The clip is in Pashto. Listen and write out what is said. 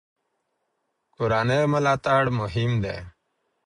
کورنۍ ملاتړ مهم دی.